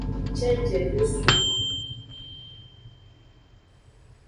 Cenjie de sun o.